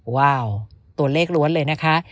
ว้าวตัวเลขล้วนเลยนะคะ